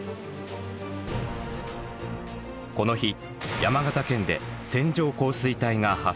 この日山形県で線状降水帯が発生。